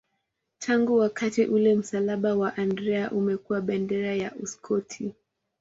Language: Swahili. Tangu wakati ule msalaba wa Andrea umekuwa bendera ya Uskoti.